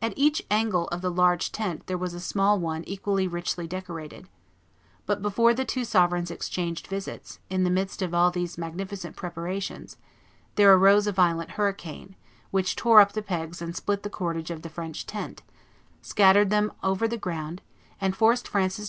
At each angle of the large tent there was a small one equally richly decorated. But before the two sovereigns exchanged visits, in the midst of all these magnificent preparations, there arose a violent hurricane, which tore up the pegs and split the cordage of the French tent, scattered them over the ground, and forced Francis I.